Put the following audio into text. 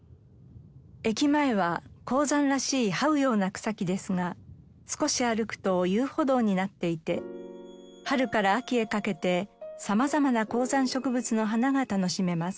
駅前は高山らしいはうような草木ですが少し歩くと遊歩道になっていて春から秋へかけて様々な高山植物の花が楽しめます。